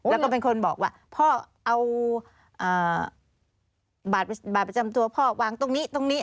แล้วก็เป็นคนบอกว่าพ่อเอาบัตรประจำตัวพ่อวางตรงนี้ตรงนี้